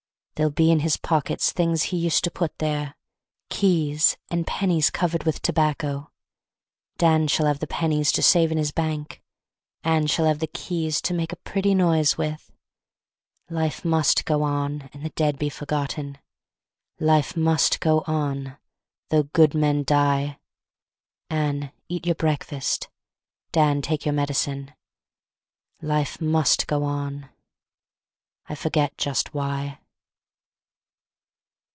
There'll be in his pockets Things he used to put there, Keys and pennies Covered with tobacco; Dan shall have the pennies To save in his bank; Anne shall have the keys To make a pretty noise with. Life must go on, And the dead be forgotten; Life must go on, Though good men die; Anne, eat your breakfast; Dan, take your medicine; Life must go on; I forget just why.